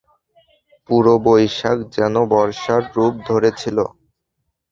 পুরো বৈশাখ যেন বর্ষার রূপ ধরেছিল।